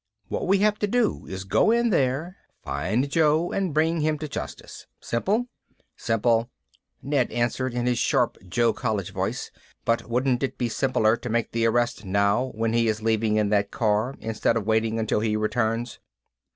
What we have to do is go in there, find Joe and bring him to justice. Simple?" "Simple," Ned answered in his sharp Joe college voice. "But wouldn't it be simpler to make the arrest now, when he is leaving in that car, instead of waiting until he returns?"